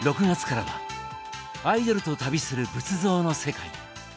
６月からは「アイドルと旅する仏像の世界」。